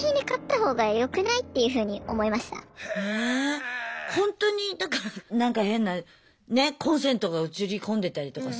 ほんとにだからなんか変なねコンセントが写り込んでたりとかさ